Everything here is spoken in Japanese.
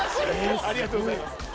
ありがとうございます。